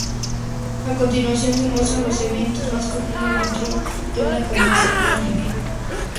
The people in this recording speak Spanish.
A continuación se muestran los eventos más comunes dentro de una convención anime.